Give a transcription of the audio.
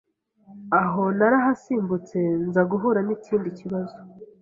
Aho narahasimbutse nza guhura n’ikindi kibazo